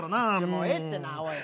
もうええってなあおい